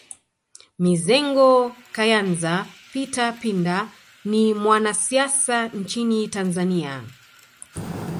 Mizengo Kayanza Peter Pinda ni mwanasiasa nchini Tanzania